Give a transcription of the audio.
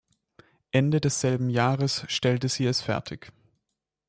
Ende desselben Jahres stellte sie es fertig.